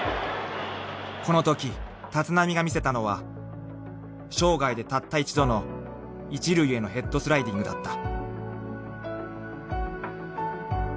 ［このとき立浪が見せたのは生涯でたった一度の一塁へのヘッドスライディングだった］